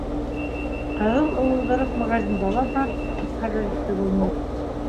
- Ҡыҙыл ыуылдырыҡ магазинда ла бар, - тип хәбәр итте Гөлнур.